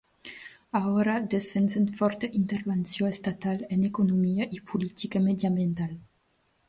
Alhora, defensen forta intervenció estatal en economia i política mediambiental.